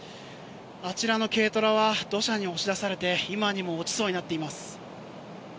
あちらの軽トラは土砂に押し出されて今にも落ちそうになっています。